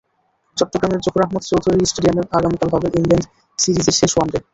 চট্টগ্রামের জহুর আহমেদ চৌধুরী স্টেডিয়ামে আগামীকাল হবে ইংল্যান্ড সিরিজের শেষ ওয়ানডে।